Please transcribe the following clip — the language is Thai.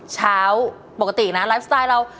เช้าปกตินะไลฟ์สไตล์เรา